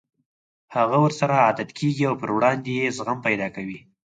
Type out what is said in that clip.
هغه ورسره عادت کېږي او پر وړاندې يې زغم پيدا کوي.